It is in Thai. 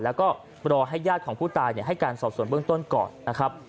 แล้วก็รอให้ญาติของผู้ตายให้การสอบส่วนเบื้องต้นก่อนนะครับ